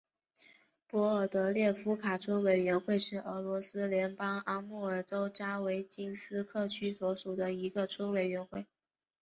博尔德列夫卡村委员会是俄罗斯联邦阿穆尔州扎维京斯克区所属的一个村委员会。